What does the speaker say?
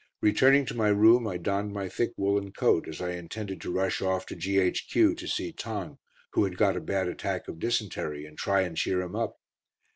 Returning to my room. I donned my thick woollen coat, as I intended to rush off to G.H.Q. to see Tong, who had got a bad attack of dysentery, and try and cheer him up.